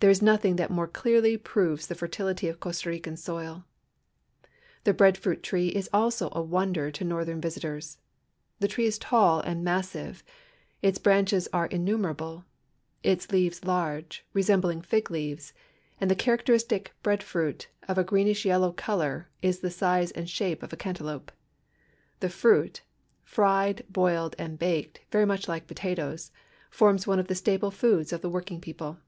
There is nothing that more clearly proves the fertility of Costa Rican soil. The bread fruit tree is also a wonder to northern visitors. The tree is tall and massive ; its branches are innumerable ; its leaves large, resembling fig leaves, and the characteristic bread fruit, of a greenish yellow color, is the size and shape of a cantalonpe. The fruit — fried, boiled, and baked, very much like potatoes — forms one of the staple foods of the working people.